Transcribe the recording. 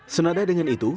senada dengan itu